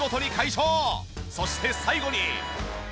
そして最後に。